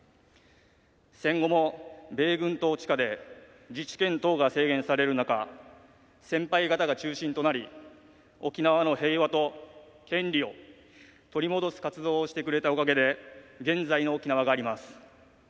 戦後も、米軍統治下で自治権等が制限される中先輩方が中心となり沖縄の平和と権利を取り戻す活動をしてくれたおかげで現在の沖縄があります。